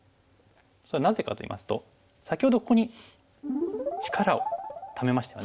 それはなぜかといいますと先ほどここに力をためましたよね。